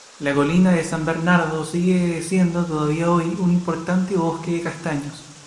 La colina de San Bernardo sigue siendo todavía hoy un importante bosque de castaños.